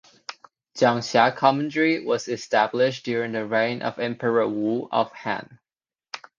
Jiangxia Commandery was established during the reign of Emperor Wu of Han.